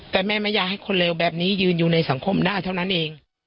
แต่แม่ไม่อยากให้คนเลวแบบนี้ยืนอยู่ในสังคมได้เท่านั้นเอง